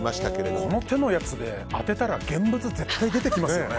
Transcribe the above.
この手のやつで、当てたら現物が絶対出てきますよね。